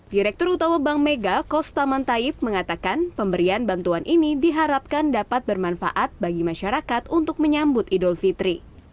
direktur utama bank mega kostaman taib mengatakan pemberian bantuan ini diharapkan dapat bermanfaat bagi masyarakat untuk menyambut idul fitri